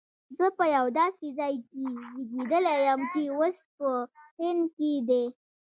زه په یو داسي ځای کي زیږېدلی یم چي اوس په هند کي دی